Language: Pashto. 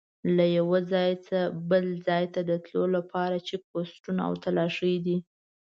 له یوه ځایه بل ځای ته د تلو لپاره چیک پوسټونه او تلاشي دي.